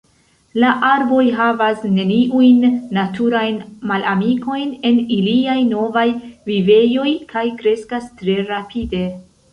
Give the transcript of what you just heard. La arboj havas neniujn naturajn malamikojn en iliaj novaj vivejoj kaj kreskas tre rapide.